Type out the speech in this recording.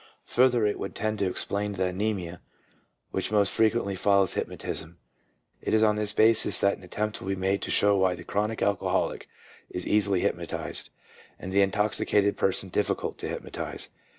Further, it would tend to explain the amnesia which most frequently follows hypnotism. It is on this basis that an attempt will be made to show why the chronic alcoholic is easily hypnotized, and the intoxicated person difficult to hypnotize.